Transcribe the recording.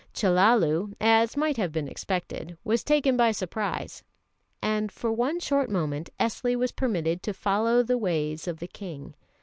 Chellalu, as might have been expected, was taken by surprise; and for one short moment Esli was permitted to follow the ways of the King.